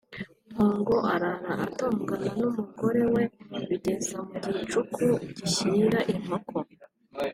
Mpongo arara atongana n’umugore we bigeza mu gicuku gishyira inkoko